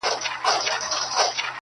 په هغه ورځ د قیامت په ننداره سي -